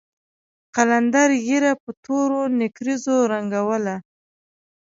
قلندر ږيره په تورو نېکريزو رنګوله.